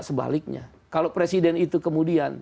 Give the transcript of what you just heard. sebaliknya kalau presiden itu kemudian